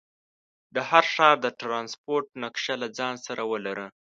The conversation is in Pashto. د هر ښار د ټرانسپورټ نقشه له ځان سره ولره.